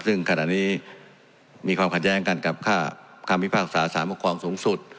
ซึ่งขณะนี้มีความขัดแย้งกันกับค่าคำพิพากษาสารปกครองสูงสุด